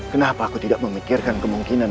kenapa aku tidak memikirkan kemungkinan